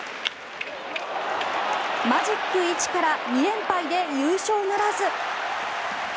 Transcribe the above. マジック１から２連敗で優勝ならず。